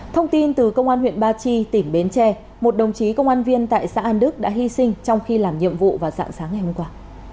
thông tin từ công an huyện ba chi tỉnh bến tre một đồng chí công an viên tại xã an đức đã hy sinh trong khi làm nhiệm vụ vào dạng sáng ngày hôm qua